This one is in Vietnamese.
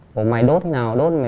bây giờ anh em